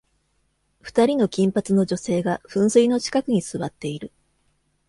二人の金髪の女性が噴水の近くに座っている。